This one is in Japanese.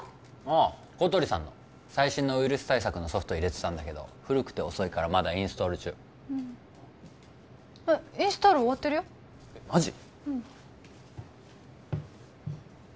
ああ小鳥さんの最新のウイルス対策のソフト入れてたんだけど古くて遅いからまだインストール中ふーんインストール終わってるよマジ？